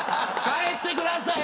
帰ってください。